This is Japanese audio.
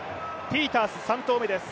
ピータース、３投目です。